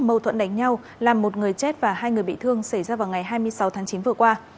mâu thuẫn đánh nhau làm một người chết và hai người bị thương xảy ra vào ngày hai mươi sáu tháng chín vừa qua